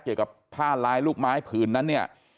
เกี่ยวกับผ้าลายลูกไม้ผืนนั้นเนี่ย